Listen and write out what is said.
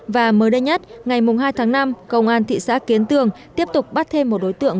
và mới đây nhất ngày hai tháng năm công an thị xã kiến tường tiếp tục bắt thêm một đối tượng